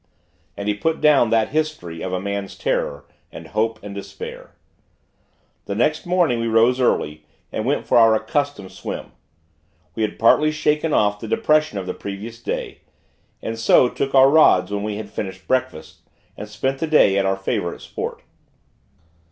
and he put down that history of a man's terror and hope and despair. The next morning, we rose early, and went for our accustomed swim: we had partly shaken off the depression of the previous day; and so, took our rods when we had finished breakfast, and spent the day at our favorite sport.